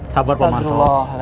sabar pak manto